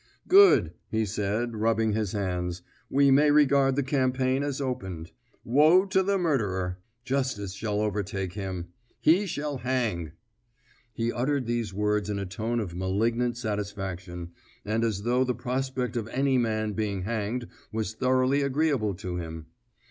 "Good," he said, rubbing his hands; "we may regard the campaign as opened. Woe to the murderer! Justice shall overtake him; he shall hang!" He uttered these words in a tone of malignant satisfaction, and as though the prospect of any man being hanged was thoroughly agreeable to him.